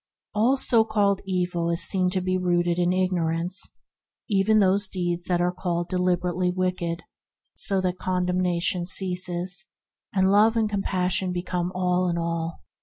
All so called evil is seen to be rooted in ignorance, even the deeds called deliberately wicked, so that condemnation ceases, and Love and Compassion become all in all.